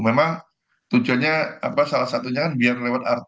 memang tujuannya salah satunya kan biar lewat